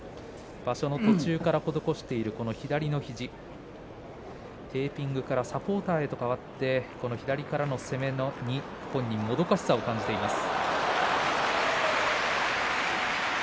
場所の途中から施している左の肘テーピングからサポーターへと変わって左からの攻めにもどかしさを感じています。